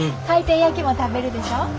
回転焼きも食べるでしょ？